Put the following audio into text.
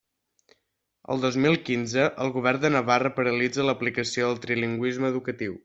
El dos mil quinze, el Govern de Navarra paralitza l'aplicació del trilingüisme educatiu.